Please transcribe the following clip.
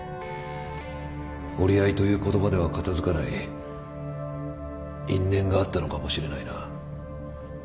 折り合いという言葉では片付かない因縁があったのかもしれないな。